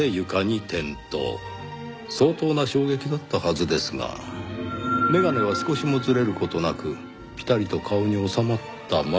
相当な衝撃だったはずですが眼鏡は少しもずれる事なくピタリと顔に収まったまま。